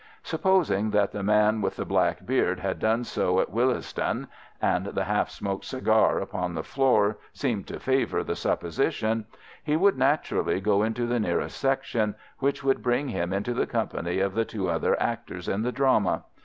Supposing that the man with the black beard had done so at Willesden (and the half smoked cigar upon the floor seemed to favour the supposition), he would naturally go into the nearest section, which would bring him into the company of the two other actors in this drama.